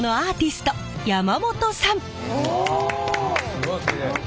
すごいきれい。